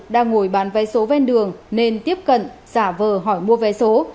đang ngồi bán vé số ven đường nên tiếp cận giả vờ hỏi mua vé số